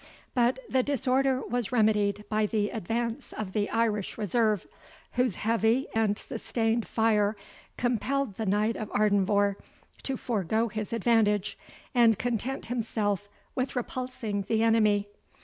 But the disorder was remedied by the advance of the Irish reserve, whose heavy and sustained fire compelled the Knight of Ardenvohr to forego his advantage, and content himself with repulsing the enemy.